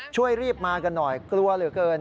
ช่วยรีบมากันหน่อยกลัวเหลือเกิน